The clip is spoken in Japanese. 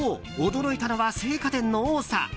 驚いたのは青果店の多さ。